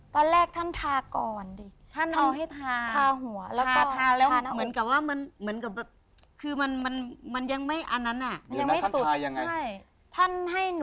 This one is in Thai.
คือแม่ก็เลยยังไง